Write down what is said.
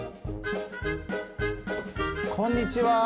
こんにちは。